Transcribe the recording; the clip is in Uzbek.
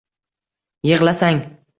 Yig’lasang